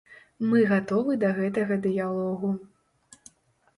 Мы гатовы да гэтага дыялогу.